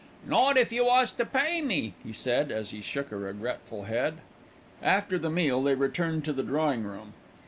"Not if you was to pay me," he said, as he shook a regretful head. After the meal, they returned to the drawing room.